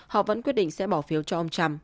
họ vẫn quyết định sẽ bỏ phiếu cho ông trump